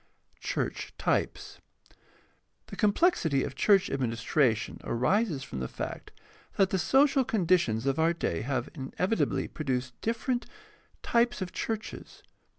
2. CHURCH TYPES The complexity of church administration arises from the fact that the social conditions of our day have inevitably pro duced different types of churches.